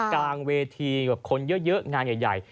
กลางเวทีแบบคนเยอะงานใหญ่